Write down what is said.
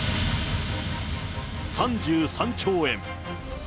３３兆円。